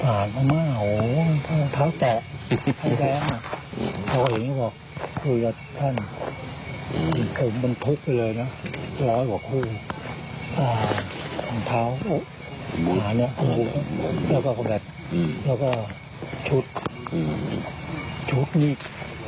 อันนี้เวลาอาจจะมาดูแล้วก็กระแบ็ดแล้วก็ชุดนิส